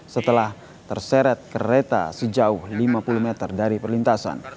setelah terseret kereta sejauh lima puluh meter dari perlintasan